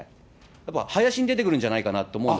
やっぱ林に出てくるんじゃないかなと思うと。